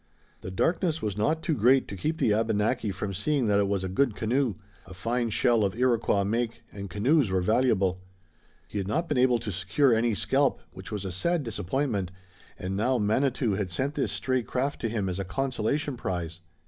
The darkness was not too great to keep the Abenaki from seeing that it was a good canoe, a fine shell of Iroquois make, and canoes were valuable. He had not been able to secure any scalp, which was a sad disappointment, and now Manitou had sent this stray craft to him as a consolation prize.